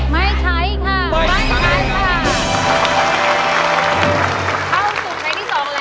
ไม่ใช้